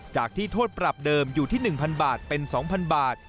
จากที่โทษปรับเดิมอยู่ที่๑๐๐บาทเป็น๒๐๐บาท